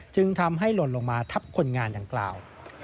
จึงทำให้หล่นลงมาทับคนงานดังกล่าว